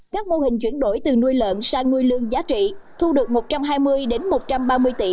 các mô hình chuyển đổi từ nuôi lợn sang nuôi lương giá trị thu được một trăm hai mươi một trăm ba mươi tỷ